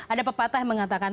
ada pepatah yang mengatakan